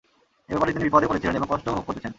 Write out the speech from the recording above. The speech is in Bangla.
এ ব্যাপারে তিনি বিপদেও পড়েছিলেন এবং কষ্টও ভোগ করেছেন।